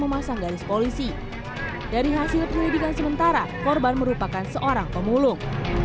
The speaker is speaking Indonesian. memasang garis polisi dari hasil penyelidikan sementara korban merupakan seorang pemulung